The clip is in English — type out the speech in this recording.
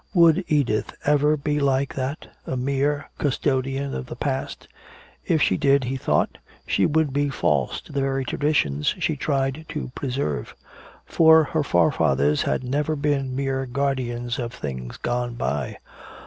Would Edith ever be like that, a mere custodian of the past? If she did, he thought, she would be false to the very traditions she tried to preserve. For her forefathers had never been mere guardians of things gone by.